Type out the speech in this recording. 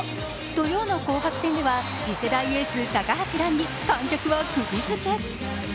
土曜の紅白戦では次世代エース・高橋藍に観客はくぎづけ。